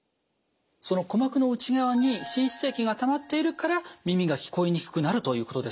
その鼓膜の内側に滲出液がたまっているから耳が聞こえにくくなるということですか。